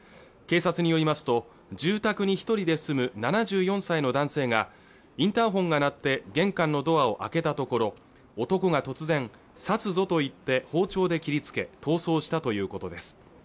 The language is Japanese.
警察によりますと住宅に一人で住む７４歳の男性がインターホンが鳴って玄関のドアを開けたところ男が突然刺すぞと言って包丁で切りつけ逃走したということです